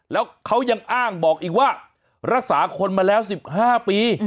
แล้วเขายังอ้างบอกอีกว่ารักษาคนมาแล้ว๑๕ปี